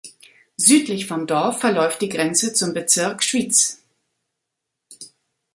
Südlich vom Dorf verläuft die Grenze zum Bezirk Schwyz.